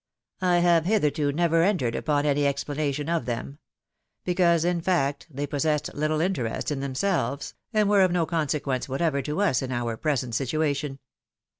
I have, hitherto, never entered upon any explana tion of them ; because, in fact, they possessed little interest in themselves, and were of no consequence whatever to us in our present situation.